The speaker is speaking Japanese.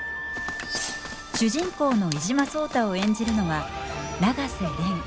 主人公の伊嶋壮多を演じるのは永瀬廉。